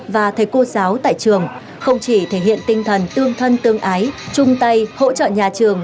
và thầy cô giáo tại trường không chỉ thể hiện tinh thần tương thân tương ái chung tay hỗ trợ nhà trường